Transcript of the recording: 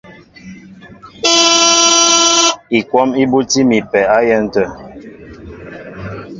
Ikwɔ́m í búti mi a pɛ á yɛ̌n tə̂.